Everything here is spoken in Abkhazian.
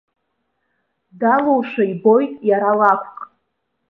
Далоушәа ибоит иара лакәк.